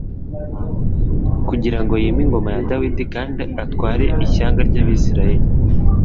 kugira ngo yime ingoma ya Dawidi kandi atware ishyanga ry'Abisiraheli.